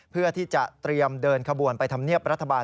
เพื่อที่จะเตรียมเดินขบวนไปทำเนียบรัฐบาล